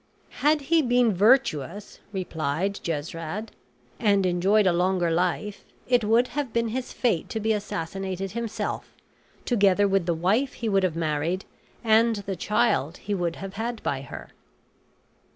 "Had he been virtuous," replied Jesrad, "and enjoyed a longer life, it would have been his fate to be assassinated himself, together with the wife he would have married, and the child he would have had by her."